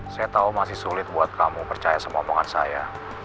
saya tahu masih sulit buat kamu percaya sama omongan saya